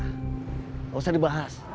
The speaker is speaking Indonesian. nggak usah dibahas